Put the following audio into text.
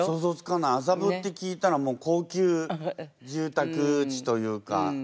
麻布って聞いたらもう高級住宅地というか。